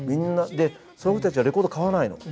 その子たちはレコード買わないの。